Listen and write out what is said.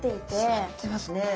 締まってますね。